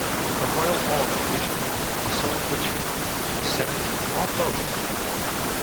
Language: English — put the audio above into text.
A royal order originally could dissolve the Chamber, the Senate, or both.